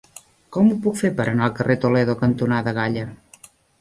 Com ho puc fer per anar al carrer Toledo cantonada Galla?